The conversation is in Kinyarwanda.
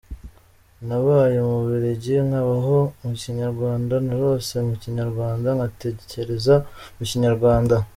Nabaye mu Bubiligi, nkabaho mu kinyarwanda, narose mu Kinyarwanda, ngatekereza mu Kinyarwanda.